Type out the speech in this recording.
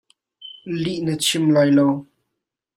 Lih na chim lai lo.